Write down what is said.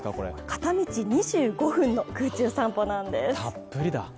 片道２５分の空中散歩なんです。